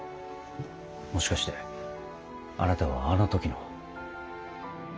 もしかしてあなたはあの時の。